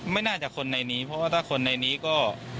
ไม่น่าจะคนในนี้เพราะว่าถ้าคนในนี้ก็